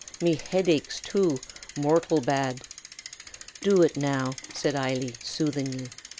Me hid aches, too, mortial bad!" "Do it, now?" said Eily, soothingly.